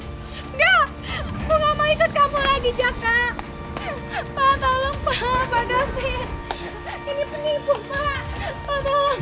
ini penipu pak